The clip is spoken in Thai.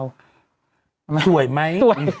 สวยไหมสวยสวยต่อว่า